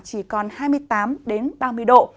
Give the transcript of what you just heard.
chỉ còn hai mươi tám ba mươi độ